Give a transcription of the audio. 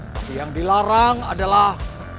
tapi yang dilarang adalah